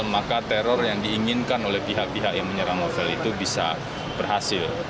maka teror yang diinginkan oleh pihak pihak yang menyerang novel itu bisa berhasil